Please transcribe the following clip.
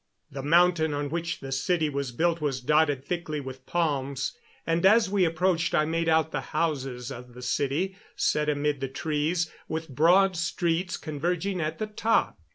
The mountain on which the city was built was dotted thickly with palms, and as we approached I made out the houses of the city, set amid the trees, with broad streets converging at the top.